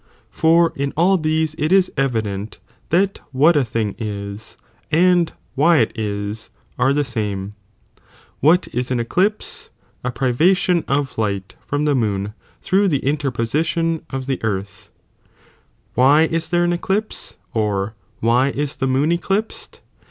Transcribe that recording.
J For in all these it is evident that Ji.J'an^^'ll what a thing ia and why it ia are the same ; what !''J?*'*v ia an eclipse? a privation of light from the moon thcwULl^tB through the interposition of the earth. Why ia J^"!!"'''^ there an eclipse, or why is the moon eclipsed